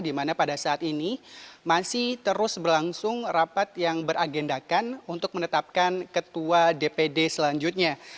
di mana pada saat ini masih terus berlangsung rapat yang beragendakan untuk menetapkan ketua dpd selanjutnya